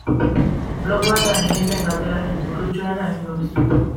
Blog batean egin den galderarik burutsuena egingo dizuet.